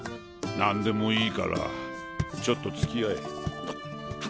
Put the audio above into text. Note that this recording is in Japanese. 何でもいいからちょっとつきあえ。